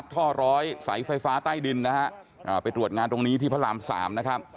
ที่ฟ้าใต้ดินนะครับไปตรวจงานตรงนี้ที่พระราม๓นะครับ